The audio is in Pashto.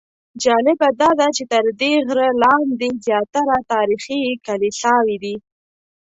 جالبه داده چې تر دې غره لاندې زیاتره تاریخي کلیساوې دي.